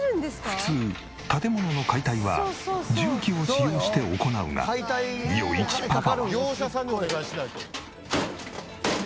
普通建物の解体は重機を使用して行うが余一パパは。